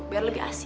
biar lebih asyik